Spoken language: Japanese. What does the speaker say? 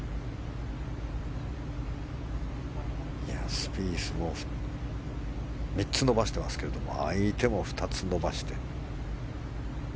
スピースも３つ伸ばしていますけれども相手も２つ伸ばして。